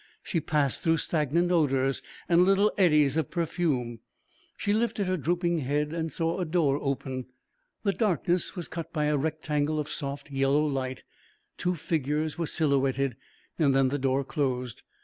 She passed through stagnant odours and little eddies of perfume. She lifted her drooping head and saw a door open the darkness was cut by a rectangle of soft yellow light, two figures were silhouetted, then the door closed.